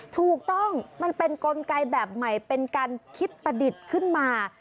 ถูกต้องมันเป็นกลไกแบบใหม่เป็นการคิดประดิษฐ์ขึ้นมา